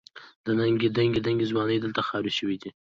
دنګې دنګې ځوانۍ دلته خاورې شوې دي.